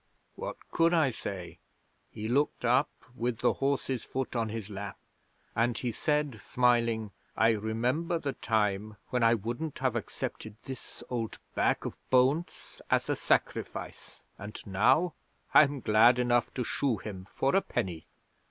'What could I say? He looked up, with the horse's foot on his lap, and he said, smiling, "I remember the time when I wouldn't have accepted this old bag of bones as a sacrifice, and now I'm glad enough to shoe him for a penny."